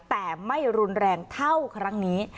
แต่ไม่รุนแรงเท่าครั้งนี้